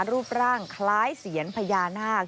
รูปร่างคล้ายเสียนพญานาค